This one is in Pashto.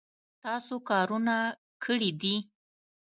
تاسو کارونه کړي دي